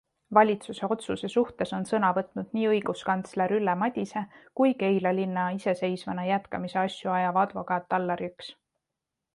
Valitsuse otsuse suhtes on sõna võtnud nii õiguskantsler Ülle Madise kui Keila linna iseseisvana jätkamise asju ajav advokaat Allar Jõks.